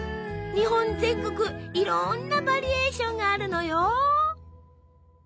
日本全国いろんなバリエーションがあるのよ。